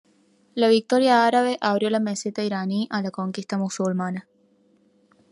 La victoria árabe abrió la meseta iraní a la conquista musulmana.